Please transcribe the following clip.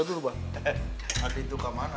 udah makan belum